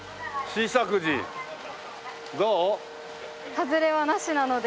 ハズレはなしなので。